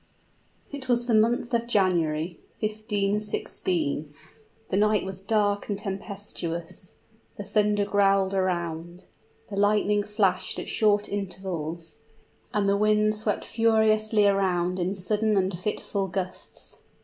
It was the month of January, 1516. The night was dark and tempestuous; the thunder growled around; the lightning flashed at short intervals: and the wind swept furiously along in sudden and fitful gusts.